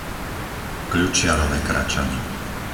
Kľučiarove Kračany